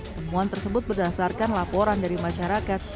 temuan tersebut berdasarkan laporan dari masyarakat